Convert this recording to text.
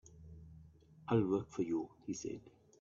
"I'll work for you," he said.